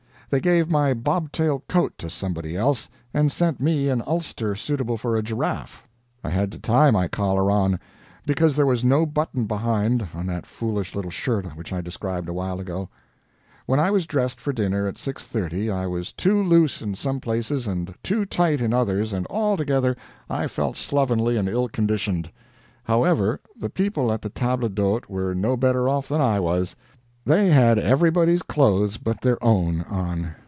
They gave my bobtail coat to somebody else, and sent me an ulster suitable for a giraffe. I had to tie my collar on, because there was no button behind on that foolish little shirt which I described a while ago. When I was dressed for dinner at six thirty, I was too loose in some places and too tight in others, and altogether I felt slovenly and ill conditioned. However, the people at the table d'hôte were no better off than I was; they had everybody's clothes but their own on.